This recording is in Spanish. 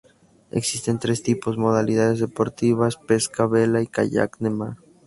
Existen tres modalidades deportivas: Pesca, Vela y Kayak de Mar